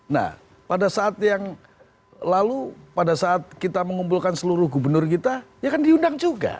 nah pada saat yang lalu pada saat kita mengumpulkan seluruh gubernur kita ya kan diundang juga